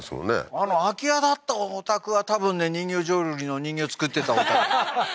あの空き家だったお宅は多分ね人形浄瑠璃の人形を作ってたお宅ははははっ